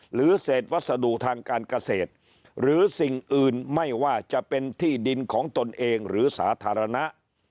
หรือเศษวัสดุทางการเกษตรหรือสิ่งอื่นไม่ว่าจะเป็นที่ดินของตนเองหรือสาธารณะ